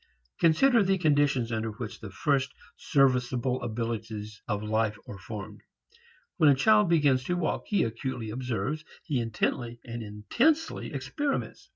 Consider the conditions under which the first serviceable abilities of life are formed. When a child begins to walk he acutely observes, he intently and intensely experiments.